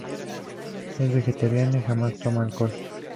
Es vegetariana y jamás toma alcohol.